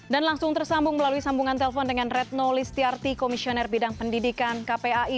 dan langsung tersambung melalui sambungan telpon dengan retno listiarti komisioner bidang pendidikan kpai